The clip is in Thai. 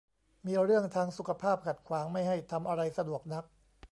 มีเรื่องทางสุขภาพขัดขวางไม่ให้ทำอะไรสะดวกนัก